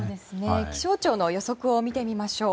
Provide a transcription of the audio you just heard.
気象庁の予測を見てみましょう。